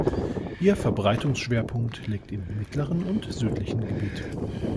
Ihr Verbreitungsschwerpunkt liegt im mittleren und südlichen Gebiet.